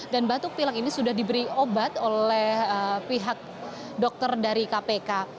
dan batuk pilak ini sudah diberi obat oleh pihak dokter dari kpk